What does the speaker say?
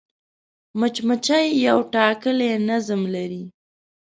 مچمچۍ یو ټاکلی نظم لري